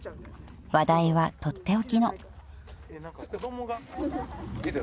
［話題は取って置きの］